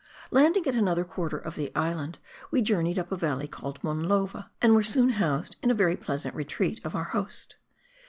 Landing at another quarter of the island, we journeyed up a valley called Monlova, and were soon housed in a very pleasant retreat of our host.